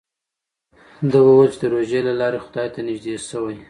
ده وویل چې د روژې له لارې خدای ته نژدې شوی.